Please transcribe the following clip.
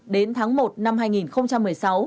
đến tháng một năm hai nghìn một mươi sáu